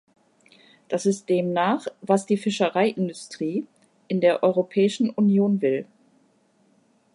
Das ist demnach, was die Fischereiindustrie in der Europäischen Union will.